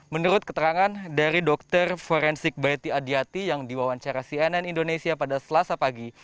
menurut keterangan dari dokter forensik baiti adi yang diwawancara cnn indonesia pada selasa pagi